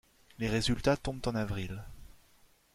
Les résultats tombent en avril.